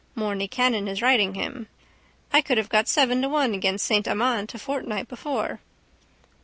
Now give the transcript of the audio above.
Morny Cannon is riding him. I could have got seven to one against Saint Amant a fortnight before.